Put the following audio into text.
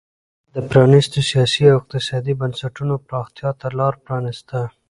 د پرانیستو سیاسي او اقتصادي بنسټونو پراختیا ته لار پرانېسته.